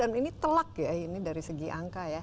dan ini telak ya ini dari segi angka ya